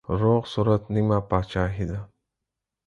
روغ صورت نيمه پاچاهي ده.